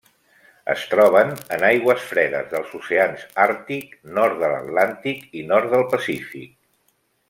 Es troben en aigües fredes dels oceans Àrtic, nord de l'Atlàntic i nord del Pacífic.